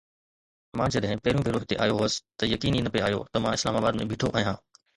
مان جڏهن پهريون ڀيرو هتي آيو هوس ته يقين ئي نه پئي آيو ته مان اسلام آباد ۾ بيٺو آهيان.